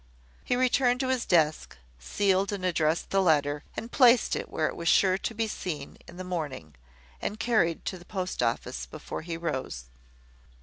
He returned to his desk, sealed and addressed the letter, and placed it where it was sure to be seen in the morning, and carried to the post office before he rose.